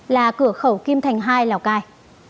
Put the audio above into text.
là cửa khẩu kim thành hai lào cai